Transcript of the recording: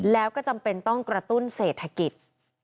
แล้วก็จำเป็นต้องกระตุ้นเศรษฐกิจ